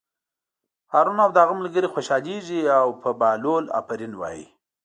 هارون او د هغه ملګري خوشحالېږي او په بهلول آفرین وایي.